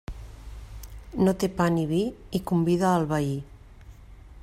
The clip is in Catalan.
No té pa ni vi, i convida al veí.